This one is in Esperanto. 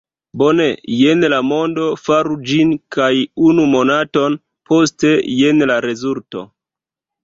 Bone, jen la mondo, faru ĝin! kaj unu monaton poste, jen la rezulto!